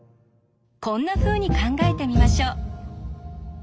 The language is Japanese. こんなふうに考えてみましょう。